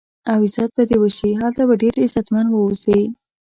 او عزت به دې وشي، هلته به ډېر عزتمن و اوسې.